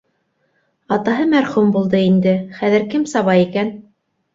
Атаһы мәрхүм булды инде, хәҙер кем саба икән?